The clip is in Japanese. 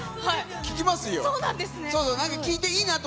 聴きますよ！